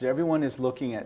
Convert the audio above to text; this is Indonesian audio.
semua orang melihat